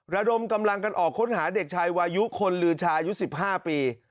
ระดมกำลังกันออกค้นหาเด็กชายวายุคนลือชายุ๑๕ปี